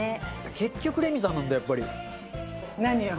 結局レミさんなんだやっぱり。何よ？